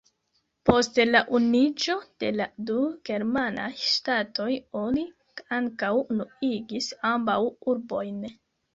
Post la unuiĝo de la du germanaj ŝtatoj oni ankaŭ unuigis ambaŭ urbojn.